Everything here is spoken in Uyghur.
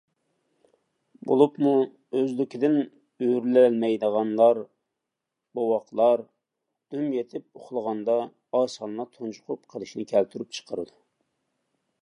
بولۇپمۇ ئۆزلۈكىدىن ئۆرۈلەلمەيدىغان بوۋاقلار دۈم يېتىپ ئۇخلىغاندا، ئاسانلا تۇنجۇقۇپ قېلىشنى كەلتۈرۈپ چىقىرىدۇ.